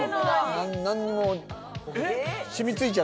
何にも。え？